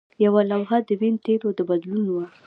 یوه لوحه د وین د تیلو د بدلون وه